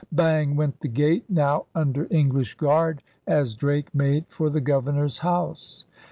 Bang went the gate, now under English guard, as Drake made for the Governor's house.